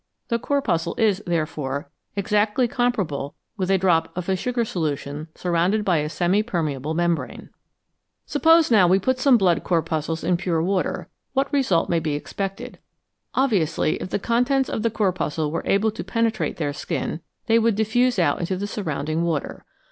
The corpuscle is, therefore, exactly comparable with a drop of a sugar solution surrounded by a semi permeable membrane. 305 V FACTS ABOUT SOLUTIONS Suppose, now, we put some blood corpuscles in pure water ; what result may be expected ? Obviously, if the contents of the corpuscle were able to penetrate their skin, they would diffuse out into the surrounding water.